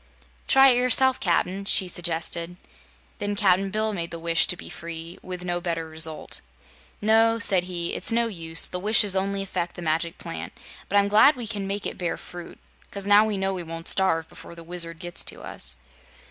"Try it yourself, Cap'n," she suggested. Then Cap'n Bill made the wish to be free, with no better result. "No," said he, "it's no use; the wishes only affect the Magic Plant; but I'm glad we can make it bear fruit, 'cause now we know we won't starve before the Wizard gets to us."